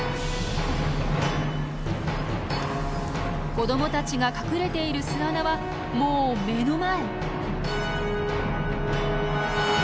子どもたちが隠れている巣穴はもう目の前。